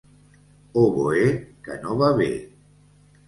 Oboè que no va bé.